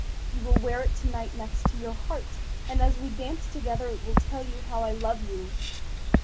You will wear it to night next your heart, and as we dance together it will tell you how I love you."